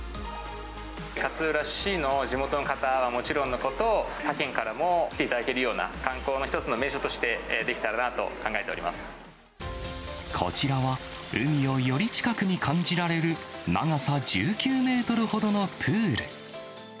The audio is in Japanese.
勝浦市の地元の方はもちろんのこと、他県からも来ていただけるような観光の一つの名所としてできたらこちらは、海をより近くに感じられる、長さ１９メートルほどのプール。